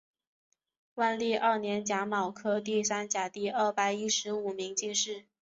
万历二年甲戌科第三甲第二百一十五名进士。